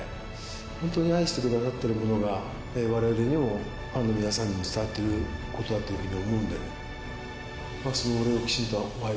本当に愛してくださってる事が我々にもファンの皆さんにも伝わっている事だという風に思うので。